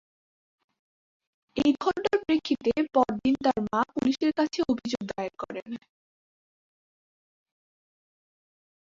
এই ঘটনার প্রেক্ষিতে পরদিন তার মা পুলিশের কাছে অভিযোগ দায়ের করেন।